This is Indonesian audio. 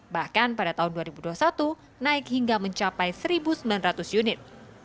bahkan pada tahun dua ribu dua puluh satu naik hingga mencapai satu sembilan ratus unit